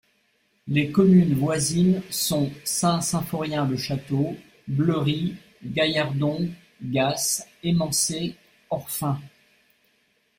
Les communes voisines sont Saint-Symphorien-le-Château, Bleury, Gallardon, Gas, Émancé, Orphin.